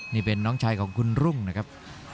นี่เป็นน้องชายของคุณรุ่งนะครับ